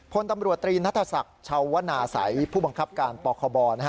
พลตำรวจตรีนัทศักดิ์ชาวนาศัยผู้บังคับการปคบนะฮะ